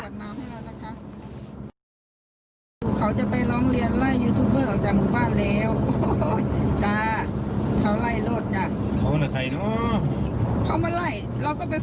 เราไม่ได้ไปฟ้องได้เนี่ยเราไม่ได้ไปทำอะไรให้เขาเนี่ยใช่หรอ